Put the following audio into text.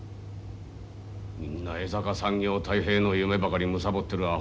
みんな江坂産業太平の夢ばかりむさぼってるあほうだ。